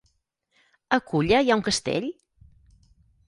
A Culla hi ha un castell?